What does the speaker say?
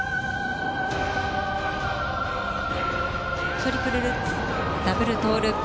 トリプルルッツダブルトウループ。